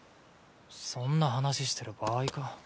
そんな話してる場合か。